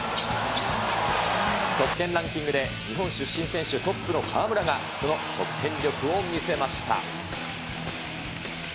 得点ランキングで日本出身選手トップの河村が、その得点力を見せました。